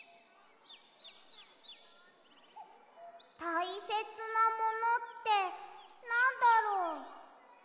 たいせつなものってなんだろう？